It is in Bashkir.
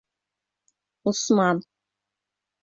Усман.